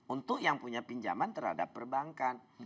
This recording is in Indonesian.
untuk yang punya pinjaman terhadap perbankan